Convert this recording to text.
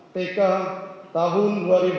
pk tahun dua ribu dua puluh dua